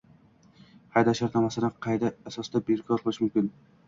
Hadya shartnomasini qanday asosda bekor qilish mumkin?